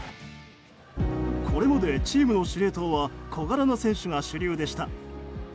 これまでチームの司令塔は小柄な選手が主流でした。